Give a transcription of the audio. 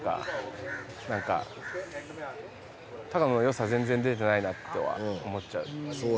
高野の良さ全然出てないなとは思っちゃう。